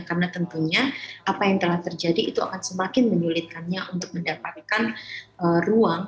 karena tentunya apa yang telah terjadi itu akan semakin menyulitkannya untuk mendapatkan ruang